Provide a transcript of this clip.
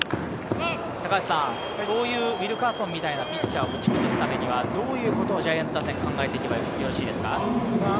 ウィルカーソンみたいなピッチャーを打ち崩すためにはどういうことをジャイアンツ打線は考えていけばよろしいですか？